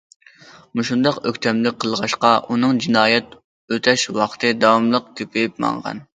مۇشۇنداق ئۆكتەملىك قىلغاچقا، ئۇنىڭ جىنايەت ئۆتەش ۋاقتى داۋاملىق كۆپىيىپ ماڭغان.